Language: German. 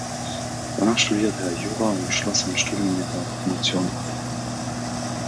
Danach studierte er Jura und schloss sein Studium mit der Promotion ab.